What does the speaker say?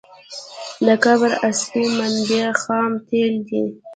د قیر اصلي منبع خام تیل دي